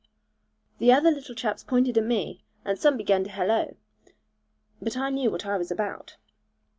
The other little chaps pointed at me, and some began to hallo; but I knew what I was about.